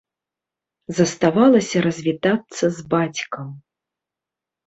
Заставалася развітацца з бацькам.